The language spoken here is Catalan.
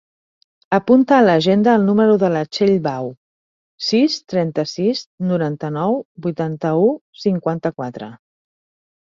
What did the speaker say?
Apunta a l'agenda el número de la Txell Bau: sis, trenta-sis, noranta-nou, vuitanta-u, cinquanta-quatre.